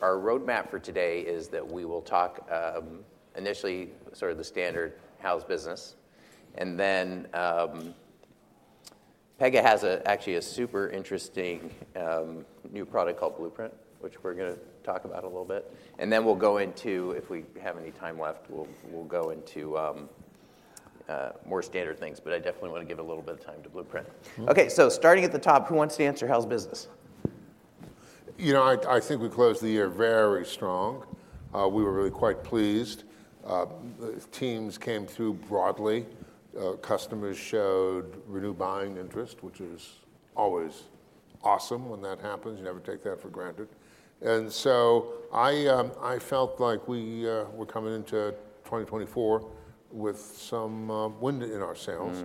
Our roadmap for today is that we will talk initially sort of the standard how's business and then Pega's actually a super interesting new product called Blueprint which we're going to talk about a little bit and then we'll go into if we have any time left we'll go into more standard things but I definitely want to give a little bit of time to Blueprint. Okay so starting at the top who wants to answer how's business? You know, I think we closed the year very strong. We were really quite pleased. Teams came through broadly. Customers showed renewed buying interest which is always awesome when that happens. You never take that for granted. And so I felt like we were coming into 2024 with some wind in our sales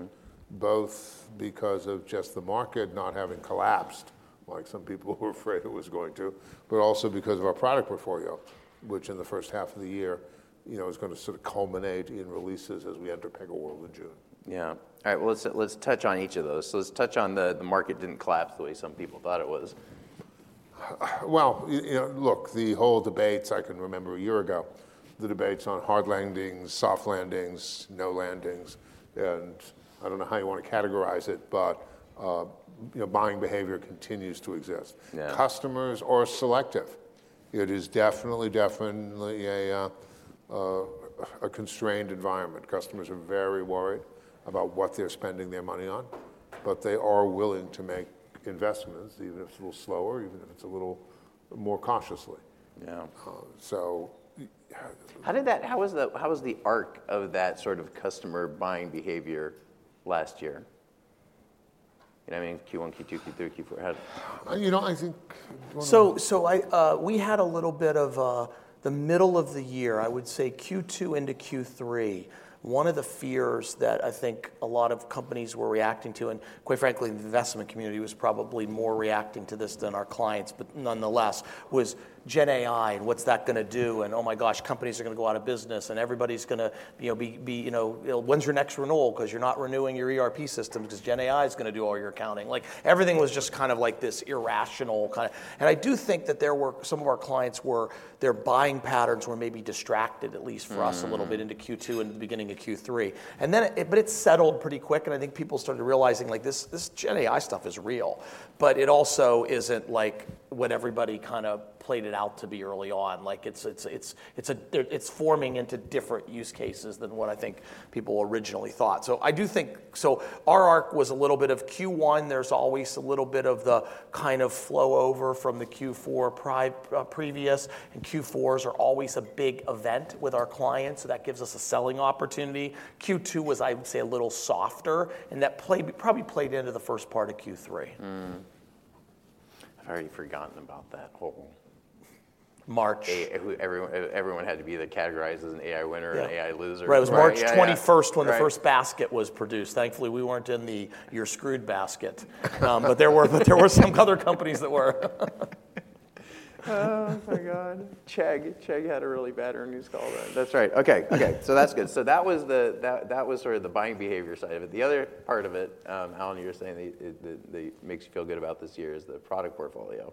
both because of just the market not having collapsed like some people were afraid it was going to but also because of our product portfolio which in the first half of the year was going to sort of culminate in releases as we enter PegaWorld in June. Yeah. All right. Well, let's touch on each of those. So, let's touch on the market. Didn't collapse the way some people thought it was. Well, look, the whole debates I can remember a year ago. The debates on Hard Landings, Soft Landings, no landings and I don't know how you want to categorize it, but buying behavior continues to exist. Customers are selective. It is definitely, definitely a constrained environment. Customers are very worried about what they're spending their money on, but they are willing to make investments even if it's a little slower, even if it's a little more cautiously. Yeah. How was the arc of that sort of customer buying behavior last year? You know what I mean? Q1, Q2, Q3, Q4. You know I think. So, we had a little bit of the middle of the year—I would say Q2 into Q3—one of the fears that I think a lot of companies were reacting to, and quite frankly the investment community was probably more reacting to this than our clients, but nonetheless was GenAI and what's that going to do, and oh my gosh, companies are going to go out of business, and everybody's going to be: When's your next renewal? because you're not renewing your ERP systems because GenAI is going to do all your accounting. Everything was just kind of like this irrational kind of, and I do think that there were some of our clients were their buying patterns were maybe distracted, at least for us, a little bit into Q2 and the beginning of Q3, and then but it settled pretty quick, and I think people started realizing this Gen AI stuff is real, but it also isn't like what everybody kind of played it out to be early on. It's forming into different use cases than what I think people originally thought. So I do think so our arc was a little bit of Q1. There's always a little bit of the kind of flow over from the Q4 previous, and Q4s are always a big event with our clients, so that gives us a selling opportunity. Q2 was, I would say, a little softer, and that probably played into the first part of Q3. I've already forgotten about that whole. March. Everyone had to be there categorized as an AI winner and an AI loser. Right. It was March 21st when the first basket was produced. Thankfully we weren't in the you're screwed basket but there were some other companies that were. Oh my God. Chegg. Chegg had a really bad earnings call then. That's right. Okay. Okay. So that's good. So that was sort of the buying behavior side of it. The other part of it, Alan, you were saying that makes you feel good about this year is the product portfolio.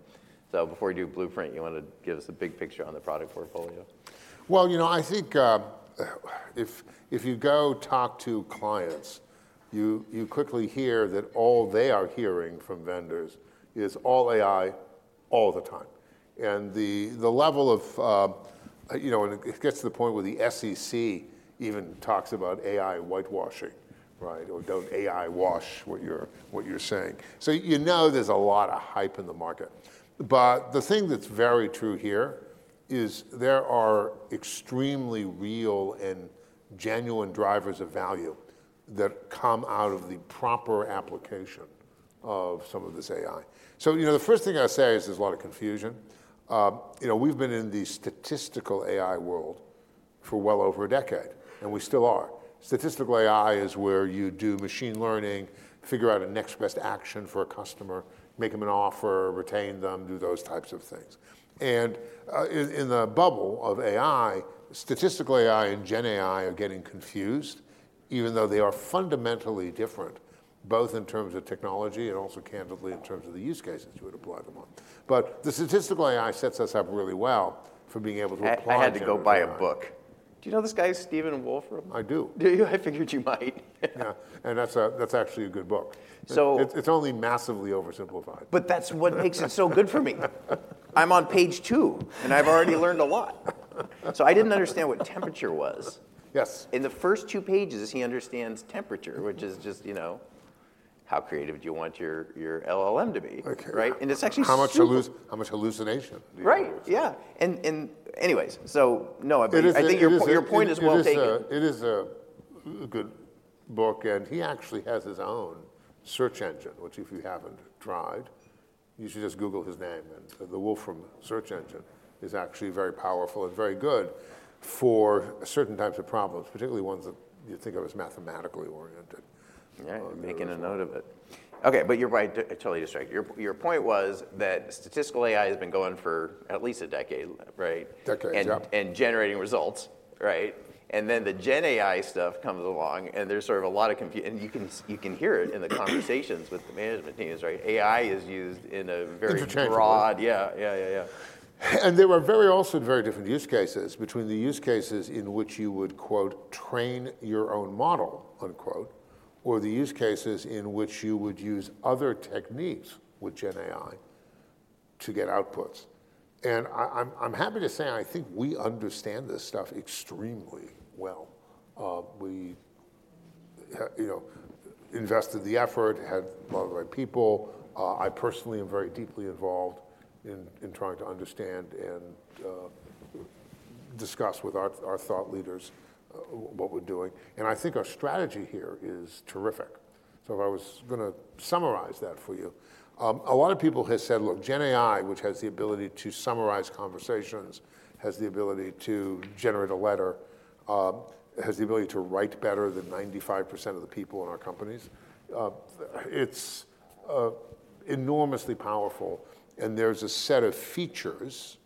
So before you do Blueprint, you want to give us a big picture on the product portfolio. Well, you know, I think if you go talk to clients, you quickly hear that all they are hearing from vendors is all AI all the time, and the level of it gets to the point where the SEC even talks about AI whitewashing or don't AI wash what you're saying. So, you know, there's a lot of hype in the market, but the thing that's very true here is there are extremely real and genuine drivers of value that come out of the proper application of some of this AI. So the first thing I say is there's a lot of confusion. We've been in the Statistical AI world for well over a decade, and we still are. Statistical AI is where you do Machine Learning, figure out a next best action for a customer, make them an offer, retain them, do those types of things. And in the bubble of AI, statistical AI and GenAI are getting confused even though they are fundamentally different both in terms of technology and also candidly in terms of the use cases you would apply them on. But the statistical AI sets us up really well for being able to apply. I had to go buy a book. Do you know this guy Stephen Wolfram? I do. I figured you might. Yeah. That's actually a good book. It's only massively oversimplified. But that's what makes it so good for me. I'm on page two and I've already learned a lot. So I didn't understand what temperature was. In the first two pages he understands temperature which is just how creative do you want your LLM to be right? And it's actually. How much hallucination? Right. Yeah. And anyways so no I think your point is well taken. It is a good book, and he actually has his own search engine, which, if you haven't tried, you should just Google his name. The Wolfram search engine is actually very powerful and very good for certain types of problems, particularly ones that you think of as mathematically oriented. Yeah. Making a note of it. Okay. But you're right. I totally distracted. Your point was that Statistical AI has been going for at least a decade, right, and generating results, right, and then the GenAI stuff comes along and there's sort of a lot of confusion and you can hear it in the conversations with the management teams, right. AI is used in a very broad. Interchangeable. Yeah. Yeah. Yeah. Yeah. And there were very, also very, different use cases between the use cases in which you would quote "train your own model" or the use cases in which you would use other techniques with GenAI to get outputs. And I'm happy to say I think we understand this stuff extremely well. We invested the effort, had a lot of the right people. I personally am very deeply involved in trying to understand and discuss with our thought leaders what we're doing and I think our strategy here is terrific. So if I was going to summarize that for you, a lot of people have said look GenAI which has the ability to summarize conversations, has the ability to generate a letter, has the ability to write better than 95% of the people in our companies. It's enormously powerful, and there's a set of features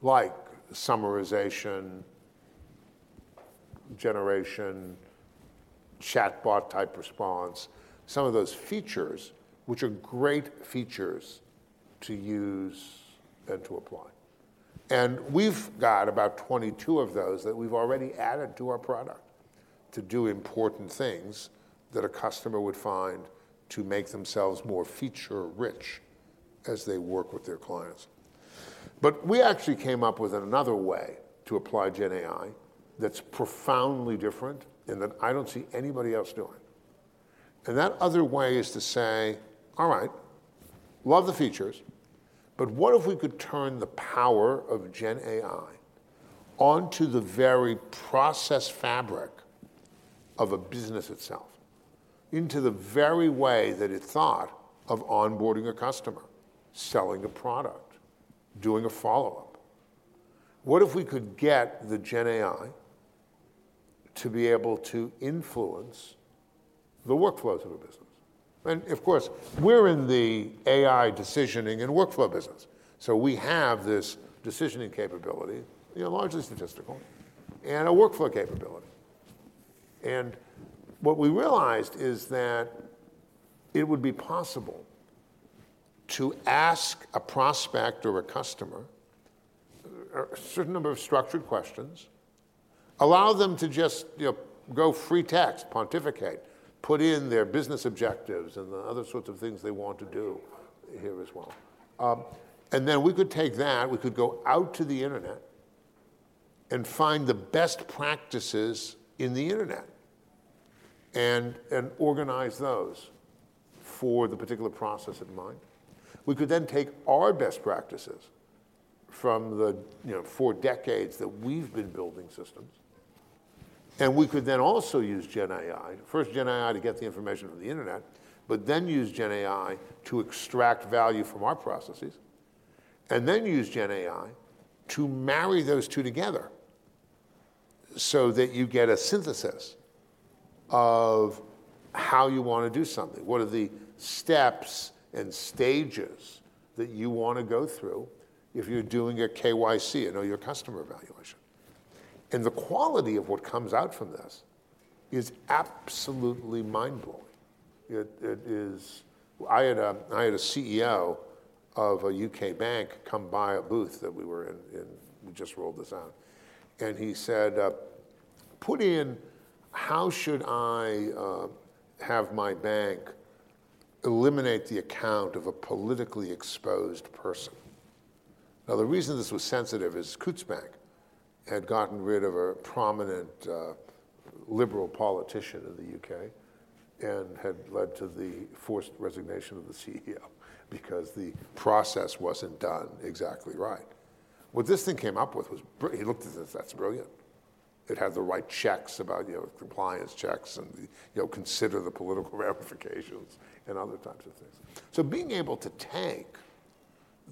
like summarization, generation, chatbot type response, some of those features which are great features to use and to apply. And we've got about 22 of those that we've already added to our product to do important things that a customer would find to make themselves more feature rich as they work with their clients. But we actually came up with another way to apply GenAI that's profoundly different and that I don't see anybody else doing. And that other way is to say all right love the features but what if we could turn the power of GenAI onto the very process fabric of a business itself into the very way that it thought of onboarding a customer, selling a product, doing a follow-up. What if we could get the GenAI to be able to influence the workflows of a business? And of course we're in the AI decisioning and workflow business so we have this decisioning capability largely statistical and a workflow capability. And what we realized is that it would be possible to ask a prospect or a customer a certain number of structured questions, allow them to just go free text, pontificate, put in their business objectives and the other sorts of things they want to do here as well. And then we could take that we could go out to the internet and find the best practices in the internet and organize those for the particular process in mind. We could then take our best practices from the four decades that we've been building systems and we could then also use GenAI first GenAI to get the information from the internet but then use GenAI to extract value from our processes and then use GenAI to marry those two together so that you get a synthesis of how you want to do something. What are the steps and stages that you want to go through if you're doing a KYC I know your customer evaluation. And the quality of what comes out from this is absolutely mind-blowing. It is. I had a CEO of a U.K. bank come by a booth that we were in and we just rolled this out and he said put in how should I have my bank eliminate the account of a politically exposed person. Now the reason this was sensitive is Coutts Bank had gotten rid of a prominent liberal politician in the U.K. and had led to the forced resignation of the CEO because the process wasn't done exactly right. What this thing came up with was he looked at this that's brilliant. It had the right checks about compliance checks and consider the political ramifications and other types of things. So being able to take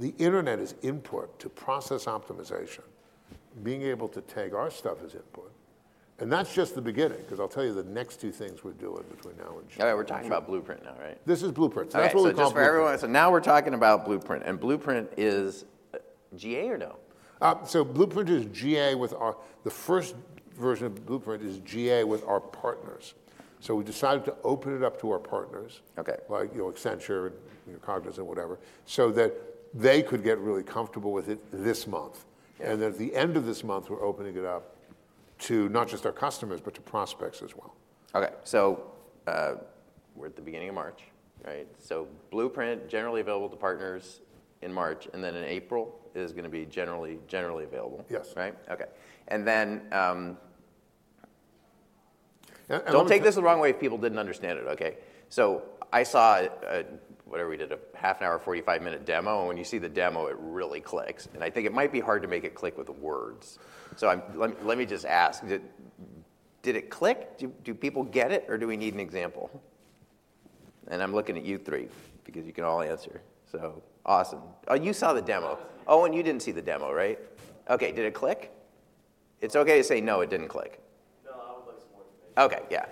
the internet as input to process optimization, being able to take our stuff as input and that's just the beginning because I'll tell you the next two things we're doing between now and June. Yeah. We're talking about Blueprint now right? This is Blueprint. That's what we call Blueprint. Now we're talking about Blueprint and Blueprint is GA or no? So, Blueprint is GA with our—the first version of Blueprint is GA with our partners. So, we decided to open it up to our partners like Accenture and Cognizant, whatever, so that they could get really comfortable with it this month, and then at the end of this month we're opening it up to not just our customers but to prospects as well. Okay. So we're at the beginning of March right? So Blueprint generally available to partners in March and then in April is going to be generally available right? Yes. Okay. And then don't take this the wrong way if people didn't understand it. Okay. So I saw whatever we did a half-hour, 45-minute demo, and when you see the demo it really clicks, and I think it might be hard to make it click with the words. So let me just ask, did it click? Do people get it, or do we need an example? And I'm looking at you three because you can all answer. So awesome. You saw the demo. Oh, and you didn't see the demo, right? Okay. Did it click? It's okay to say no, it didn't click. No, I would like some more information. Okay. Yeah.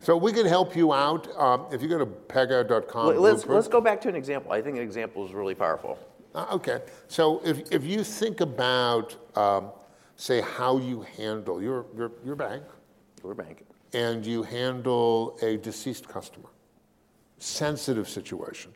So. We can help you out if you go to Pega.com. Let's go back to an example. I think an example is really powerful. Okay. So if you think about say how you handle your bank and you handle a deceased customer sensitive situation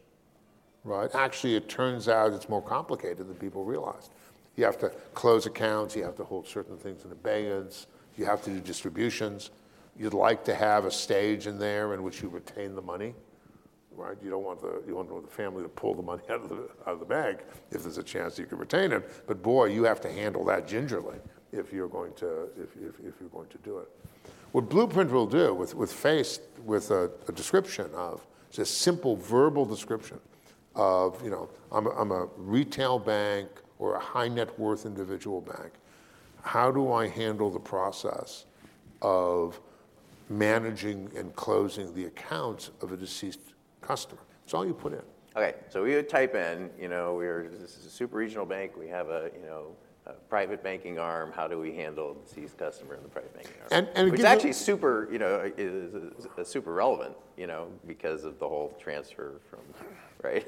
right actually it turns out it's more complicated than people realized. You have to close accounts, you have to hold certain things in abeyance, you have to do distributions. You'd like to have a stage in there in which you retain the money right? You don't want the family to pull the money out of the bank if there's a chance that you could retain it but boy you have to handle that gingerly if you're going to do it. What Blueprint will do with a description of just simple verbal description of I'm a retail bank or a high net worth individual bank how do I handle the process of managing and closing the accounts of a deceased customer? It's all you put in. Okay. So we would type in this is a super regional bank. We have a private banking arm. How do we handle the deceased customer in the private banking arm? Which is actually super relevant because of the whole transfer from, right?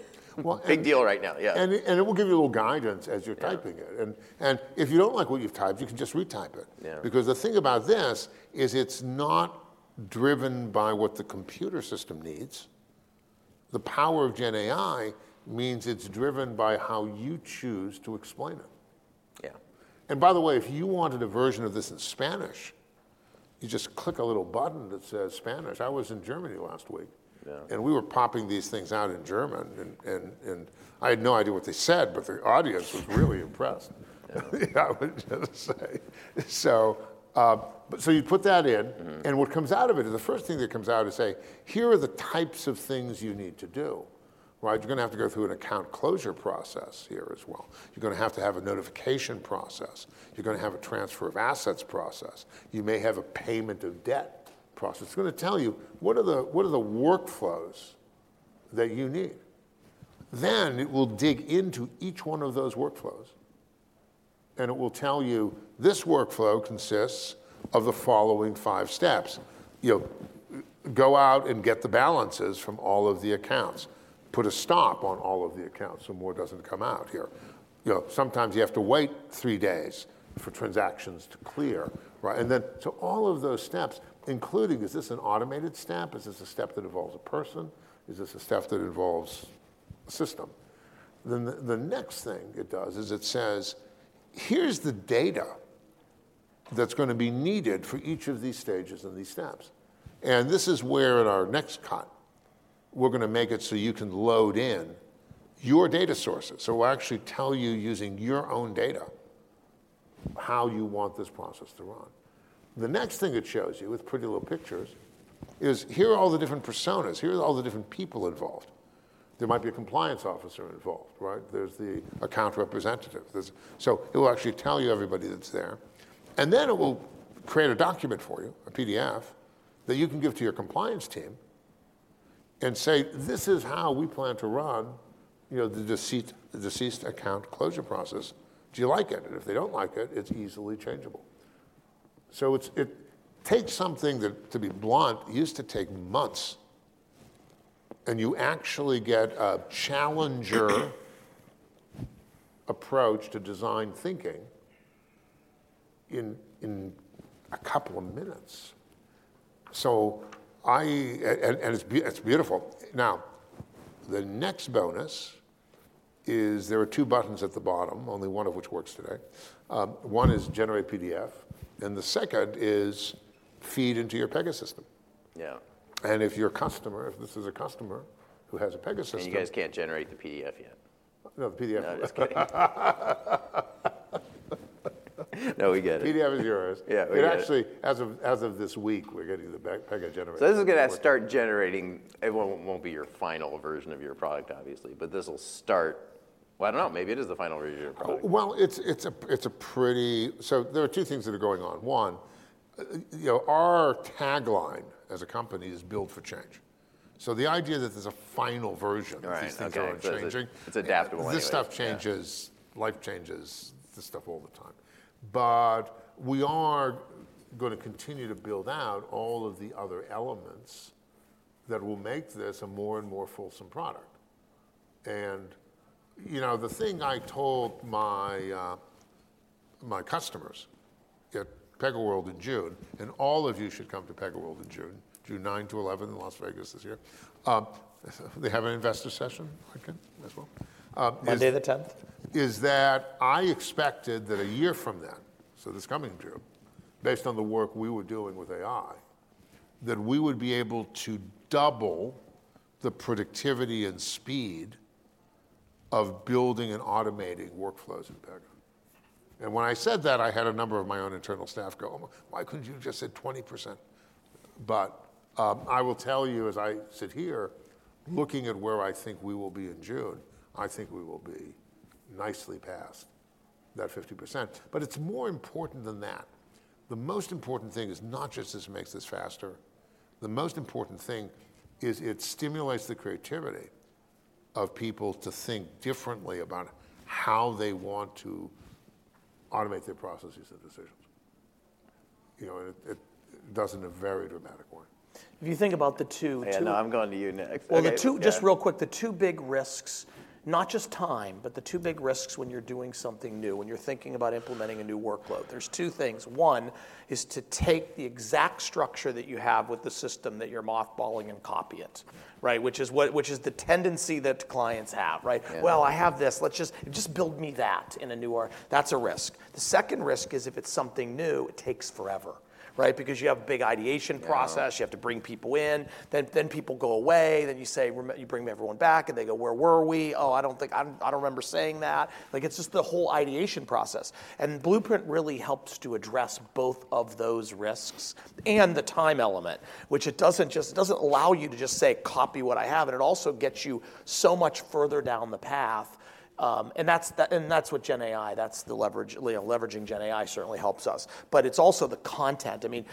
Big deal right now. Yeah. It will give you a little guidance as you're typing it and if you don't like what you've typed you can just retype it because the thing about this is it's not driven by what the computer system needs. The power of GenAI means it's driven by how you choose to explain it. Yeah. And by the way, if you wanted a version of this in Spanish, you just click a little button that says Spanish. I was in Germany last week, and we were popping these things out in German, and I had no idea what they said, but the audience was really impressed. Yeah, I would just say. So you'd put that in, and what comes out of it is the first thing that comes out is, say, here are the types of things you need to do, right? You're going to have to go through an account closure process here as well. You're going to have to have a notification process. You're going to have a transfer of assets process. You may have a payment of debt process. It's going to tell you what are the workflows that you need. Then it will dig into each one of those workflows and it will tell you this workflow consists of the following five steps. Go out and get the balances from all of the accounts. Put a stop on all of the accounts so more doesn't come out here. Sometimes you have to wait 3 days for transactions to clear, right? And then so all of those steps including is this an automated step? Is this a step that involves a person? Is this a step that involves a system? Then the next thing it does is it says here's the data that's going to be needed for each of these stages and these steps. And this is where in our next cut we're going to make it so you can load in your data sources. So we'll actually tell you using your own data how you want this process to run. The next thing it shows you with pretty little pictures is here are all the different personas. Here are all the different people involved. There might be a compliance officer involved, right? There's the account representative. So it will actually tell you everybody that's there, and then it will create a document for you, a PDF that you can give to your compliance team and say this is how we plan to run the deceased account closure process. Do you like it? And if they don't like it, it's easily changeable. So it takes something that, to be blunt, used to take months, and you actually get a challenger approach to design thinking in a couple of minutes. So I and it's beautiful. Now, the next bonus is there are two buttons at the bottom, only one of which works today. One is generate PDF and the second is feed into your Pegasystems. And if your customer, if this is a customer who has a Pegasystems. He can't generate the PDF yet. No, the PDF is kidding. No we get it. PDF is yours. It actually, as of this week, we're getting the Pega-generated. So this is going to start generating it. It won't be your final version of your product, obviously, but this will start. Well, I don't know, maybe it is the final version of your product. Well, it's a pretty so there are two things that are going on. One, our tagline as a company is Build for Change. So the idea that there's a final version of these things are unchanging. It's adaptable anyway. This stuff changes, life changes, this stuff all the time, but we are going to continue to build out all of the other elements that will make this a more and more fulsome product. The thing I told my customers at PegaWorld in June, and all of you should come to PegaWorld June 9-11 in Las Vegas this year. They have an investor session, I think, as well. Monday the 10th? I said, I expected that a year from then, so this coming June, based on the work we were doing with AI, that we would be able to double the productivity and speed of building and automating workflows in Pega. And when I said that, I had a number of my own internal staff go, why couldn't you just say 20%? But I will tell you, as I sit here looking at where I think we will be in June, I think we will be nicely past that 50%, but it's more important than that. The most important thing is not just this makes this faster. The most important thing is it stimulates the creativity of people to think differently about how they want to automate their processes and decisions. It does in a very dramatic way. If you think about the two. Hey, I'm going to you next. Well, the two—just real quick—the two big risks, not just time, but the two big risks when you're doing something new, when you're thinking about implementing a new workload. There's two things. One is to take the exact structure that you have with the system that you're mothballing and copy it right, which is the tendency that clients have, right? Well, I have this; let's just build me that in a new. That's a risk. The second risk is if it's something new, it takes forever, right, because you have a big ideation process; you have to bring people in, then people go away, then you say you bring everyone back and they go, where were we? Oh, I don't think I don't remember saying that. It's just the whole ideation process and Blueprint really helps to address both of those risks and the time element which it doesn't just it doesn't allow you to just say copy what I have and it also gets you so much further down the path and that's what GenAI that's the leverage leveraging GenAI certainly helps us but it's also the content. I mean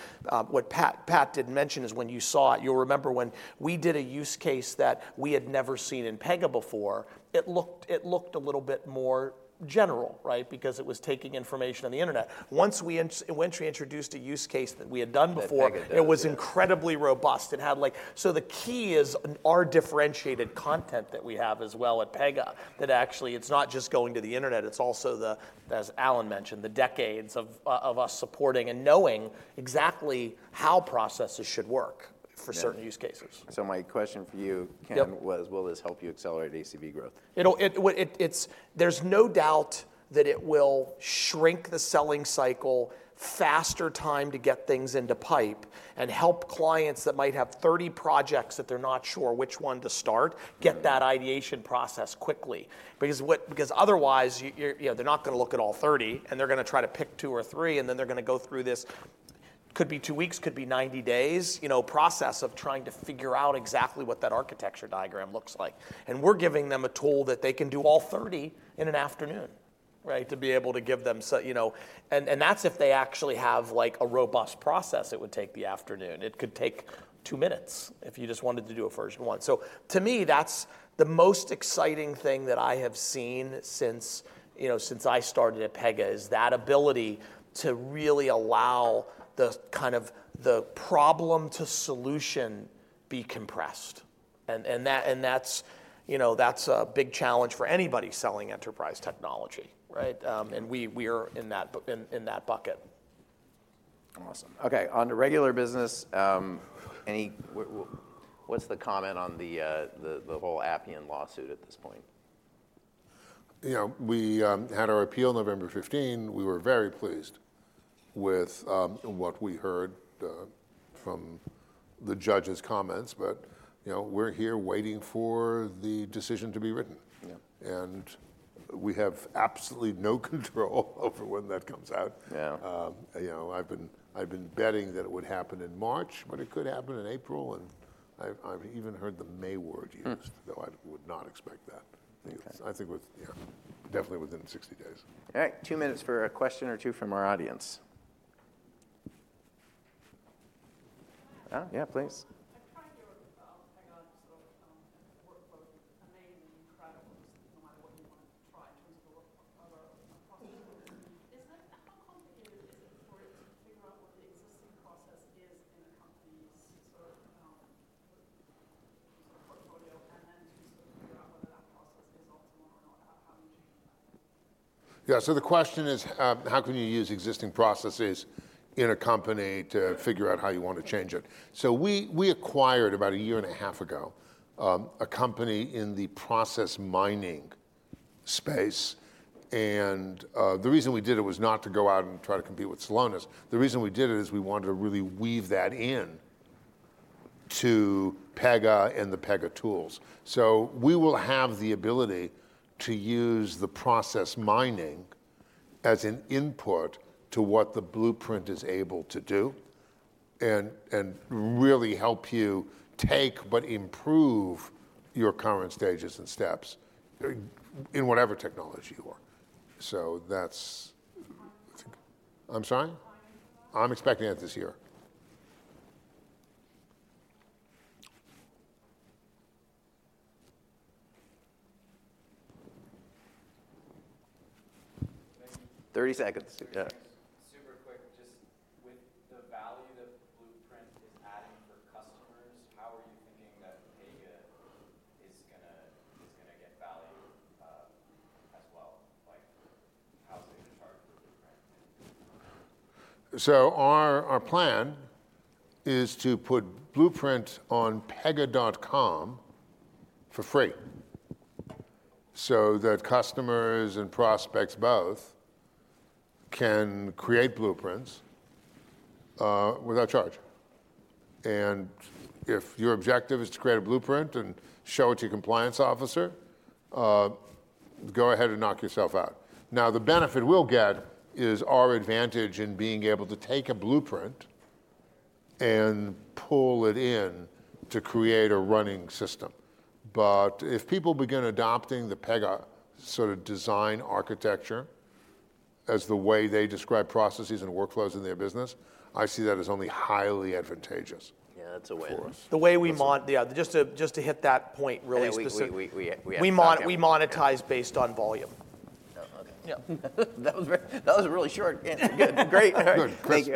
what Pat didn't mention is when you saw it you'll remember when we did a use case that we had never seen in Pega before it looked a little bit more general right because it was taking information on the internet. Once we introduced a use case that we had done before it was incredibly robust. It had, like, so the key is our differentiated content that we have as well at Pega that actually it's not just going to the internet. It's also the, as Alan mentioned, the decades of us supporting and knowing exactly how processes should work for certain use cases. My question for you Ken was will this help you accelerate ACV growth? There's no doubt that it will shrink the selling cycle, faster time to get things into pipe, and help clients that might have 30 projects that they're not sure which one to start get that ideation process quickly, because otherwise they're not going to look at all 30, and they're going to try to pick two or three, and then they're going to go through this, could be two weeks, could be 90 days, process of trying to figure out exactly what that architecture diagram looks like, and we're giving them a tool that they can do all 30 in an afternoon, right, to be able to give them, and that's if they actually have like a robust process, it would take the afternoon. It could take two minutes if you just wanted to do a version one. So to me that's the most exciting thing that I have seen since I started at Pega is that ability to really allow the kind of the problem to solution be compressed and that's a big challenge for anybody selling enterprise technology right? And we are in that bucket. Awesome. Okay. On to regular business. What's the comment on the whole Appian lawsuit at this point? We had our appeal November 15. We were very pleased with what we heard from the judge's comments, but we're here waiting for the decision to be written and we have absolutely no control over when that comes out. I've been betting that it would happen in March but it could happen in April and I've even heard the May word used though I would not expect that. I think with yeah definitely within 60 days. All right. two minutes for a question or two from our audience. Yeah please. I've tried to work with Pega on sort of workflows that are amazing and incredible no matter what you want to try in terms of the process. How complicated is it for it to figure out what the existing process is in a company's sort of portfolio and then to sort of figure out whether that process is optimal or not? How do you change that? Yeah. So the question is how can you use existing processes in a company to figure out how you want to change it? So we acquired about a year and half ago a company in the process mining space and the reason we did it was not to go out and try to compete with Celonis. The reason we did it is we wanted to really weave that in to Pega and the Pega tools. So we will have the ability to use the process mining as an input to what the Blueprint is able to do and really help you take but improve your current stages and steps in whatever technology you are. So that's. I'm sorry? I'm expecting it this year. 30 seconds. Yeah. Super quick. Just with the value that Blueprint is adding for customers how are you thinking that Pega is going to get value as well? Like how's they going to charge for Blueprint? So our plan is to put Blueprint on Pega.com for free so that customers and prospects both can create blueprints without charge. And if your objective is to create a blueprint and show it to your compliance officer, go ahead and knock yourself out. Now the benefit we'll get is our advantage in being able to take a blueprint and pull it in to create a running system. But if people begin adopting the Pega sort of design architecture as the way they describe processes and workflows in their business, I see that as only highly advantageous. Yeah that's a win. For us. The way we monetize, yeah, just to hit that point really specific. We monetize based on volume. Yeah. Okay. Yeah. That was a really short answer. Good. Great. Good. Thanks.